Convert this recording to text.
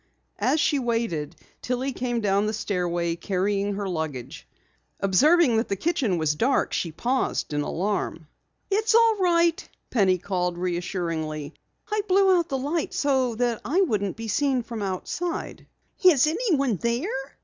As she waited, Tillie came down the stairway, carrying her luggage. Observing that the kitchen was dark, she paused in alarm. "It's all right," Penny called reassuringly. "I blew the light out so that I wouldn't be seen from outside." "Is anyone there?"